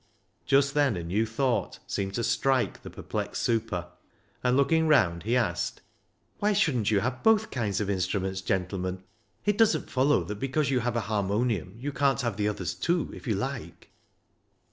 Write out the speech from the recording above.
Just then a new thought seemed to strike the perplexed super, and looking round, he asked —" Why shouldn't you have both kinds of instruments, gentlemen ? It doesn't follow that because you have a harmonium you can't have the others too, if you like."